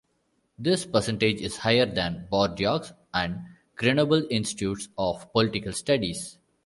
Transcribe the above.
This percentage is higher than in Bordeaux and Grenoble Institutes of Political Studies.